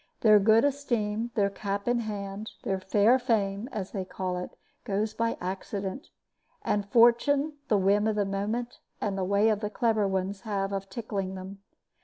Their good esteem, their cap in hand, their fair fame, as they call it, goes by accident, and fortune, the whim of the moment, and the way the clever ones have of tickling them.